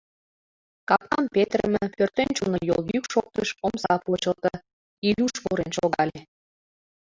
Капкам петырыме, пӧртӧнчылнӧ йолйӱк шоктыш, омса почылто, Илюш пурен шогале.